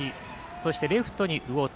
そして、レフトに魚津。